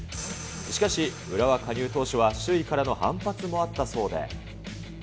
しかし、浦和加入当初は周囲からの反発もあったそうで。